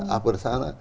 apel di sana